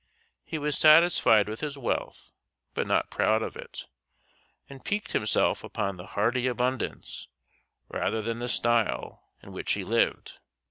He was satisfied with his wealth but not proud of it, and piqued himself upon the hearty abundance, rather than the style, in which he lived.